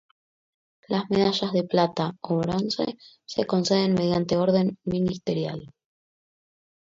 Las medallas de plata o bronce se conceden mediante orden ministerial.